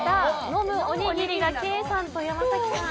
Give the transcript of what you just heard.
飲むおにぎりがケイさんと山崎さん。